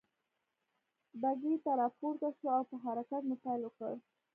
بګۍ ته را پورته شوه او په حرکت مو پيل وکړ.